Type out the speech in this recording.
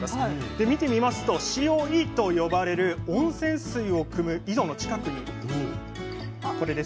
で見てみますと塩井と呼ばれる温泉水をくむ井戸の近くにこれです。